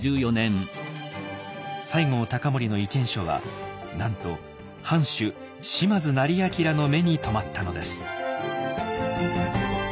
西郷隆盛の意見書はなんと藩主島津斉彬の目にとまったのです。